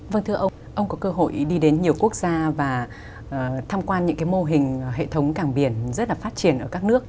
vâng thưa ông ông có cơ hội đi đến nhiều quốc gia và tham quan những mô hình hệ thống cảng biển rất là phát triển ở các nước